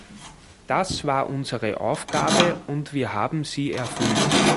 Das war unsere Aufgabe und wir haben sie erfüllt.